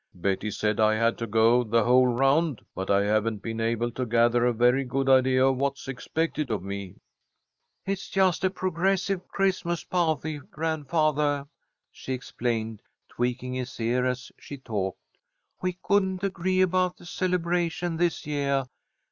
"Betty said I had to go the whole round, but I haven't been able to gather a very good idea of what's expected of me." "It's just a progressive Christmas pah'ty, grandfathah," she explained, tweaking his ear as she talked. "We couldn't agree about the celebration this yeah.